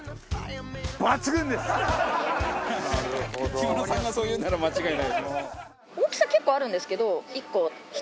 木村さんがそう言うんなら間違いないでしょ。